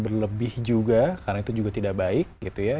berlebih juga karena itu juga tidak berhasil